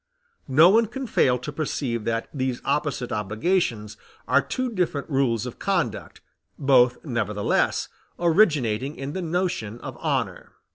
No one can fail to perceive that these opposite obligations are two different rules of conduct, both nevertheless originating in the notion of honor.